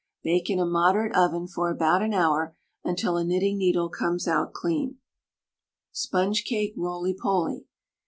Bake in a moderate oven for about an hour, until a knitting needle comes out clean. SPONGE CAKE ROLY POLY.